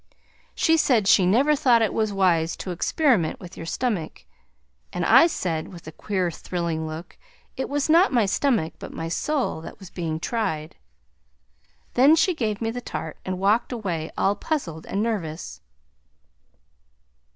She said she never thought it was wise to experement with your stomach, and I said, with a queer thrilling look, it was not my stomach but my soul, that was being tried. Then she gave me the tart and walked away all puzzled and nervous.